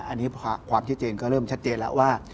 อันนี้ความชัดเจนก็เริ่มชัดเจนแล้วว่า